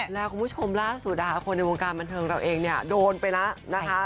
แล้วคุณผู้ชมล่าสุดคนในวงการบันเทิงเราเองเนี่ยโดนไปแล้วนะคะ